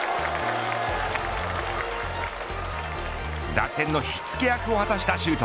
打線の火付け役を果たした周東。